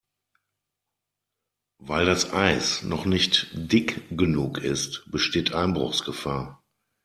Weil das Eis noch nicht dick genug ist, besteht Einbruchsgefahr.